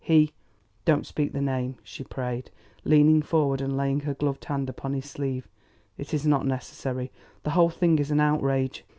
He " "Don't speak the name," she prayed, leaning forward and laying her gloved hand upon his sleeve. "It is not necessary. The whole thing is an outrage."